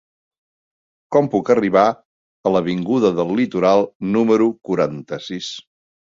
Com puc arribar a l'avinguda del Litoral número quaranta-sis?